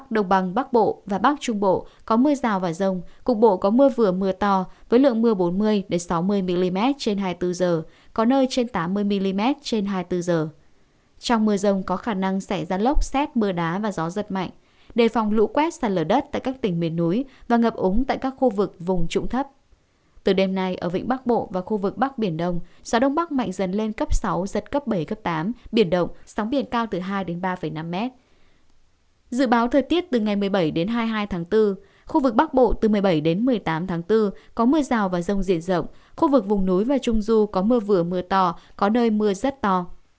dự báo thời tiết từ ngày một mươi bảy đến hai mươi hai tháng bốn khu vực bắc bộ từ một mươi bảy đến một mươi tám tháng bốn có mưa rào và rông diện rộng khu vực vùng núi và trung du có mưa vừa mưa to có nơi mưa rất to